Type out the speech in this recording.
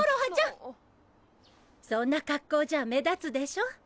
そんな格好じゃ目立つでしょ！